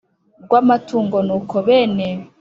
Rw amatungo nuko bene